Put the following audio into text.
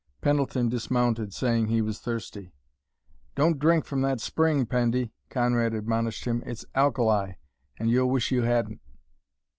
Pendleton dismounted, saying he was thirsty. "Don't drink from that spring, Pendy," Conrad admonished him. "It's alkali, and you'll wish you hadn't."